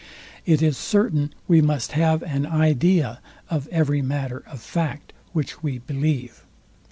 It is certain we must have an idea of every matter of fact, which we believe.